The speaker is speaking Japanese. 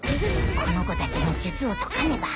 この子たちの術を解かねば！